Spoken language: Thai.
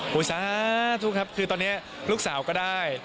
สาธุครับคือตอนนี้ลูกสาวก็ได้